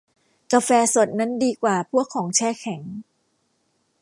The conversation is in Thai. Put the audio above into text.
กาแฟสดนั้นดีกว่าพวกของแช่แข็ง